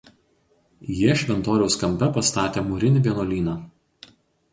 Jie šventoriaus kampe pastatė mūrinį vienuolyną.